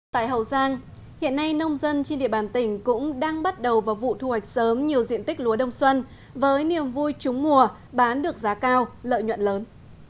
tại hậu giang hiện nay nông dân trên địa bàn tỉnh cũng đang bắt đầu vào vụ thu hoạch sớm nhiều diện tích lúa đông xuân với niềm vui trúng mùa bán được giá cao lợi nhuận lớn